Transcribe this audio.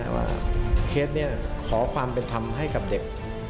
ว่าเคสนี้ขอความเป็นธรรมให้กับเด็ก